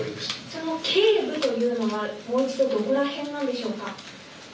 その頸部というのはどこら辺なんでしょうか。